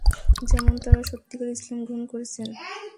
যেমন তারা সত্যিকারে ইসলাম গ্রহণ করেছেন।